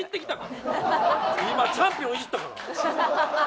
今チャンピオンイジったから！